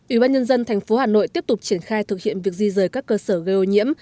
ủy ban nhân dân thành phố hà nội tiếp tục triển khai thực hiện việc di rời các cơ sở gây ô nhiễm